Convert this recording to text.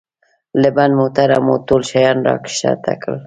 له بند موټره مو ټول شیان را کښته کړل.